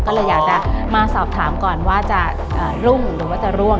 ก็เลยอยากจะมาสอบถามก่อนว่าจะรุ่งหรือว่าจะร่วง